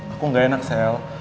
aku gak enak sel